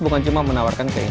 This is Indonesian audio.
dan dan juga enak banget